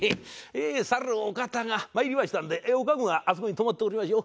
さるお方がまいりましたんでおかごがあそこに止まっておりましょう。